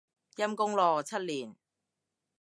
陰功咯，七年